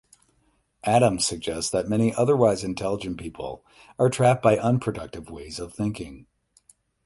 Adams suggests that many otherwise intelligent people are trapped by unproductive ways of thinking.